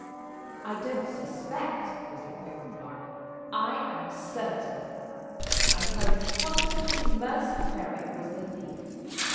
"I don't suspect," was the quick reply; "I am certain! I tell you positively Mercy Merrick was the thief.